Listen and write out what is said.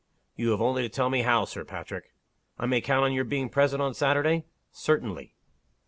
"You have only to tell me how, Sir Patrick." "I may count on your being present on Saturday?" "Certainly."